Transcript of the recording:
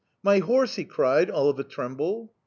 My horse!' he cried, all of a tremble.